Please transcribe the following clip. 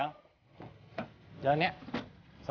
acing kos di rumah aku